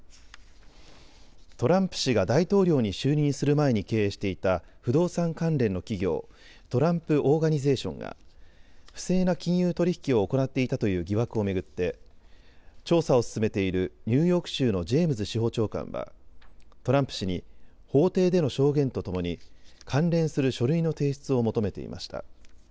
トランプ氏が大統領に就任する前に経営していた不動産関連の企業、トランプ・オーガニゼーションが不正な金融取引を行っていたという疑惑を巡って調査を進めているニューヨーク州のジェームズ司法長官はトランプ氏に法廷での証言とともに関連する書類の提出を求めていました。